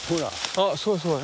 あすごいすごい。